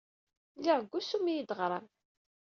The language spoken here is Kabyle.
Lliɣ deg wusu mi iyi-d-teɣram.